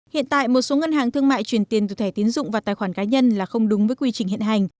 hiện tại một số ngân hàng thương mại truyền tiền từ thẻ tiến dụng vào tài khoản cá nhân là không đúng với quy trình hiện hành